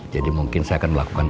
jadi mungkin saya akan melakukan itu